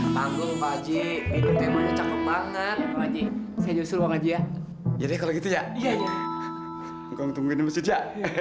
sampai jumpa di video selanjutnya